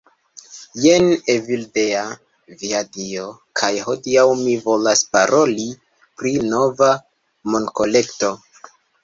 Jen Evildea. Via Dio. kaj hodiaŭ mi volas paroli pri nova monkolekto